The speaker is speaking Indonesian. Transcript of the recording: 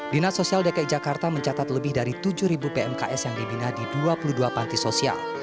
dinas sosial dki jakarta mencatat lebih dari tujuh pmks yang dibina di dua puluh dua panti sosial